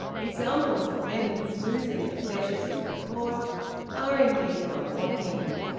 Examples of men's losing the pleasures of the Court are, indeed, not wanting.